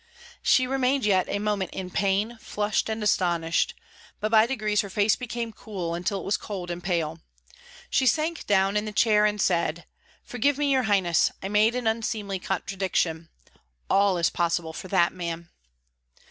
She remained yet a moment in pain, flushed, and astonished; but by degrees her face became cool, until it was cold and pale. She sank down in the chair, and said, "Forgive me, your highness, I made an unseemly contradiction. All is possible for that man."